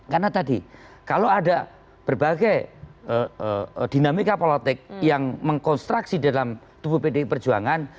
karena tadi kalau ada berbagai dinamika politik yang mengkonstruksi dalam tubuh pd perjuangan